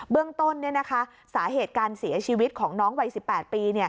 เรื่องต้นสาเหตุการเสียชีวิตของน้องวัย๑๘ปี